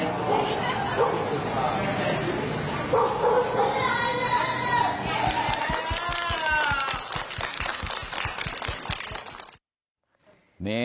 นะครับคุณยาย